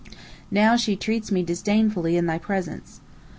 Now she treats me disdainfully in thy presence.